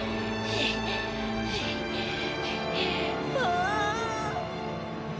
ああ。